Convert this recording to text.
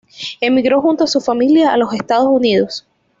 Emigró junto a su familia a los Estados Unidos.